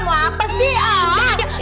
mau apa sih ah